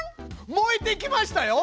燃えてきましたよ！